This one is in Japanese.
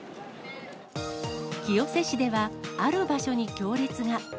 清瀬市では、ある場所に行列が。